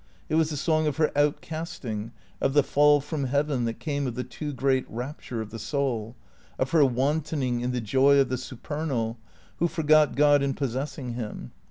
It was the song of her outcasting, of the fall from heaven that came of the too great rapture of the soul, of her wantoning in the joy of the supernal, who forgot God in possessing him.